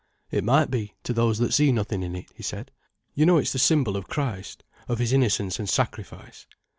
"It might be, to those that see nothing in it," he said. "You know it's the symbol of Christ, of His innocence and sacrifice."